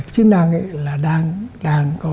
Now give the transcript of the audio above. chứng đoán là đang có